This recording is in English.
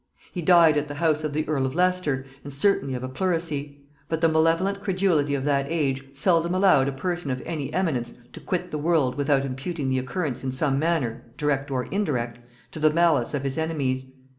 He died at the house of the earl of Leicester, and certainly of a pleurisy; but the malevolent credulity of that age seldom allowed a person of any eminence to quit the world without imputing the occurrence in some manner, direct or indirect, to the malice of his enemies.